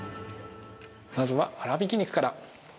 ◆まずは、粗びき肉から。